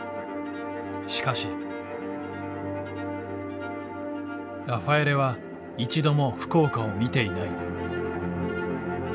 しかしラファエレは一度も福岡を見ていない。